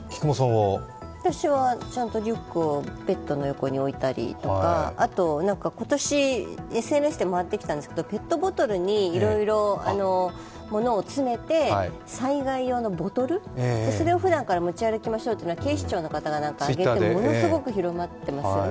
私はちゃんとリュックをベッドの横に置いたりとかあと今年ＳＮＳで回ってきたんですけど、ペットボトルにいろいろものを詰めて災害用のボトル、それをふだんから持ち歩きましょうというの警視庁の方が言って、ものすごく広まってますよね。